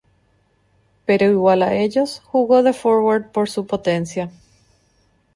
Pero igual a ellos, jugó de forward por su potencia.